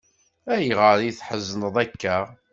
Ayɣer ay tḥezneḍ akka?